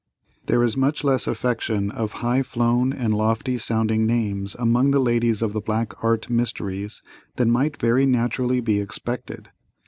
There is much less affectation of high flown and lofty sounding names among the ladies of the black art mysteries, than might very naturally be expected.